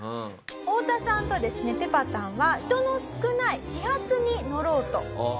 オオタさんとですねぺぱたんは人の少ない始発に乗ろうとしていました。